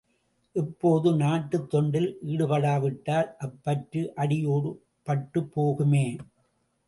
இப்போதே நாட்டுத் தொண்டில் ஈடுபடாவிட்டால், அப்பற்று அடியோடு பட்டுப் போகுமே!